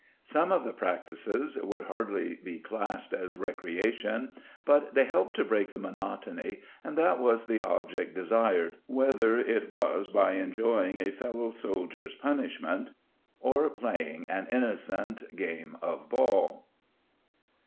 Some of the practices would hardly be classed as recreation, but they helped to break the monotony and that was the object desired whether it was by enjoying a fellow soldier's punishment or playing an innocent game of ball.